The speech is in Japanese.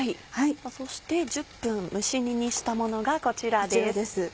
そして１０分蒸し煮にしたものがこちらです。